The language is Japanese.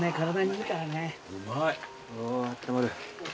あったまる。